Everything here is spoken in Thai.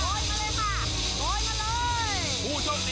รอลุ้นกันครับ